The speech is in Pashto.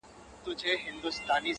زما پر ښکلي اشنا وایه په ګېډیو سلامونه-